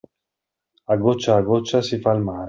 A goccia a goccia si fa il mare.